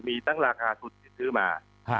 มีทั้งราคาสุดที่ซื้อมา